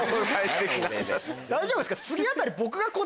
大丈夫ですか？